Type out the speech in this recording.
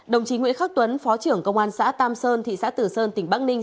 đồng chí nguyễn khắc tuấn phó trưởng công an xã tam sơn thị xã tử sơn tỉnh bắc ninh